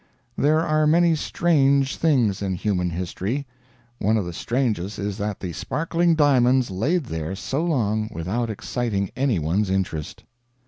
There are many strange things in human history; one of the strangest is that the sparkling diamonds laid there so long without exciting any one's interest.